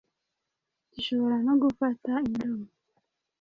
Gishobora no gufata indomo.